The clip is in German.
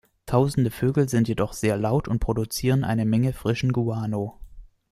Tausende Vögel sind jedoch sehr laut und produzieren eine Menge frischen Guano.